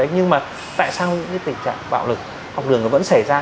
nhưng mà tại sao những cái tình trạng bạo lực học đường nó vẫn xảy ra